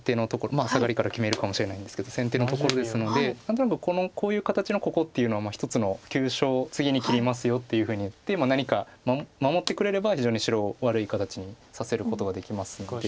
サガリから決めるかもしれないんですけど先手のところですので何となくこういう形のここっていうのは一つの急所次に切りますよっていうふうに言って何か守ってくれれば非常に白を悪い形にさせることができますので。